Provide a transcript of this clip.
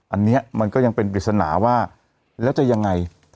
อันนี้มันก็ยังเป็นปริศนาว่าแล้วจะยังไง